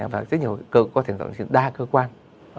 và rất nhiều cơ có thể dẫn đến những đa cơ quan